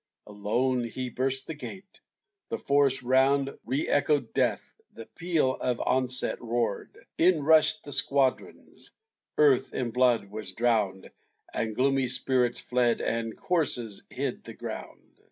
Alone, he burst the gate; the forest round Reëchoed death; the peal of onset roar'd, In rush'd the squadrons; earth in blood was drown'd; And gloomy spirits fled, and corses hid the ground.